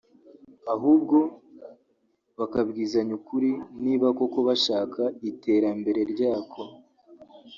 ahubwo bakabwizanya ukuri niba koko bashaka Iterambere ryako